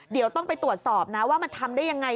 เดี๋ยวต้องไปตรวจสอบนะว่ามันทำได้ยังไง